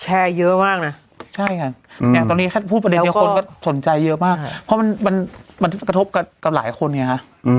แชร์เยอะมากนะใช่ค่ะอย่างตอนนี้พูดประเด็นนี้คนก็สนใจเยอะมากเพราะมันกระทบกับหลายคนไงฮะ